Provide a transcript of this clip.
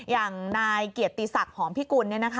อย่างนายเกียรติศักดิ์หอมพิกุล